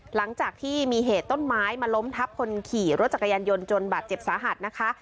หลังจากที่มีเหตุต้นไม้มาล้มทับคนขี่รถจักรยานยนต์จนบาดเจ็บสาหัสนะคะ